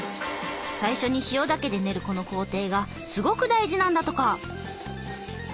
最初に塩だけで練るこの工程がすごく大事なんだとか！